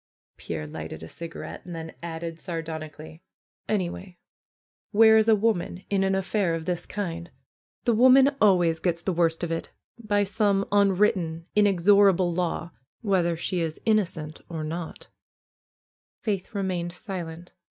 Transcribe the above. Pierre lighted a cigarette and then added sardonic ally : '^Anyway, where is a woman in an affair of this kind ? The woman always gets the worst of it, by some unwritten, inexorable law, whether she is innocent or not." FAITH 245 Faith remained silent.